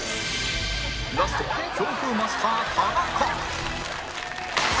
ラストは強風マスター田中